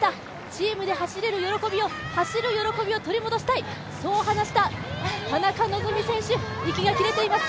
チームで走れる喜びを、走る喜びを年戻したいと話した田中希実選手です。